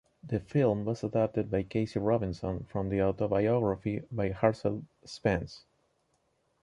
The film was adapted by Casey Robinson from the autobiography by Hartzell Spence.